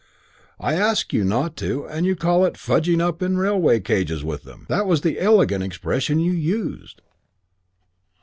I ask you not to and you call it 'fugging up in railway carriages with them.' That was the elegant expression you used."